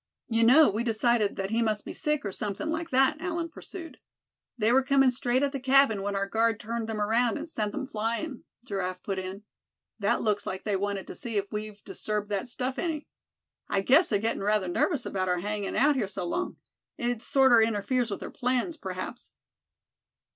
"You know we decided that he must be sick or something like that," Allan pursued. "They were coming straight at the cabin when our guard turned them around, and sent 'em flyin'," Giraffe put in. "That looks like they wanted to see if we'd disturbed that stuff any. I guess they're gettin' rather nervous about our hangin' out here so long. It sorter interferes with their plans, p'raps."